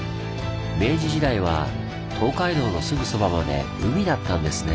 明治時代は東海道のすぐそばまで海だったんですね。